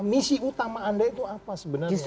misi utama anda itu apa sebenarnya